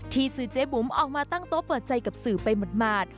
ซื้อเจ๊บุ๋มออกมาตั้งโต๊ะเปิดใจกับสื่อไปหมาด